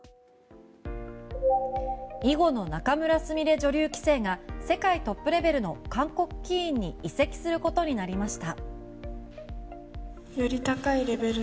囲碁の仲邑菫女流棋聖が世界トップレベルの韓国棋院に移籍することになりました。